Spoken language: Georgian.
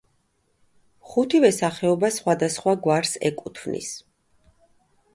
ხუთივე სახეობა სხვადასხვა გვარს ეკუთვნის.